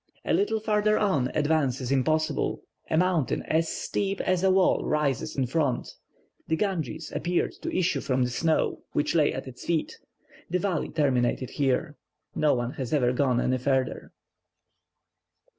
A little farther on, advance is impossible, a mountain as steep as a wall rises in front; the Ganges appeared to issue from the snow, which lay at its feet; the valley terminated here. No one has ever gone any farther."